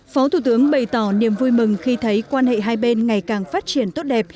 phó thủ tướng bày tỏ niềm vui mừng khi thấy quan hệ hai bên ngày càng phát triển tốt đẹp